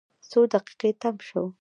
څو دقیقې تم شوو.